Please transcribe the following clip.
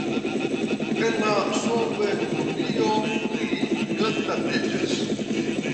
En la Sovetunio li kandidatiĝis.